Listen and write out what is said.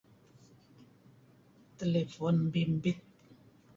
Telephone bimbit.